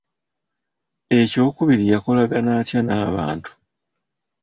Ekyokubiri, yakolagana atya n'abantu.